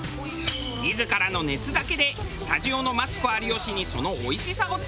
自らの熱だけでスタジオのマツコ有吉にそのおいしさを伝える。